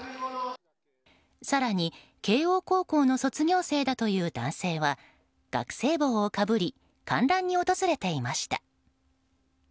更に、慶應高校の卒業生だという男性は学生帽をかぶり観覧に訪れていました。